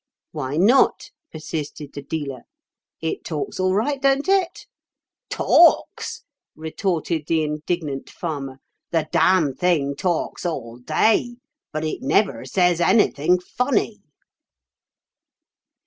'Why not?' persisted the dealer; 'it talks all right, don't it?' 'Talks!' retorted the indignant farmer, 'the damn thing talks all day, but it never says anything funny!